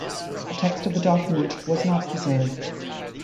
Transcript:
The text of the document was not preserved.